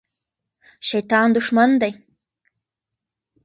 شیطان دښمن دی.